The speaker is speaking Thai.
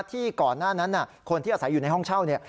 ที่ก่อนหน้านั้นคนที่อาศัยอยู่ในห้องเช่า